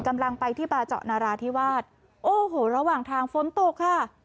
กำลังไปที่บาเจาะนาราธิวาสโอ้โหระหว่างทางฝนตกค่ะ